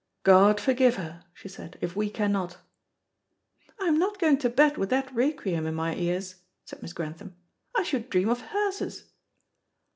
"God forgive her," she said, "if we cannot." "I'm not going to bed with that requiem in my ears," said Miss Grantham. "I should dream of hearses."